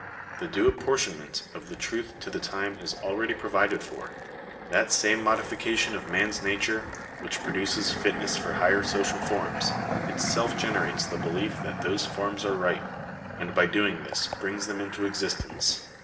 The due apportionment of the truth to the time is already provided for. That same modification of man's nature which produces fitness for higher social forms, itself generates the belief that those forms are right (p. 427), and by doing this brings them into existence.